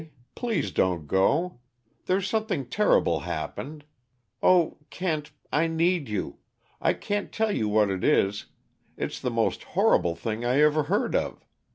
Please don't go! I there's something terrible happened oh, Kent, I need you! I can't tell you what it is it's the most horrible thing I ever heard of!